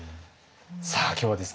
さあ今日はですね